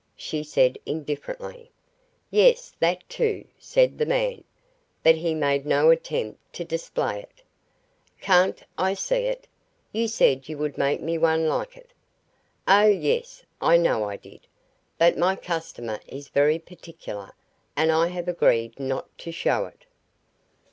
she said indifferently. "Yes, that, too," said the man. But he made no attempt to display it. "Can't I see it? You said you would make me one like it " "Oh, yes. I know I did. But my customer is very particular, and I have agreed not to show it."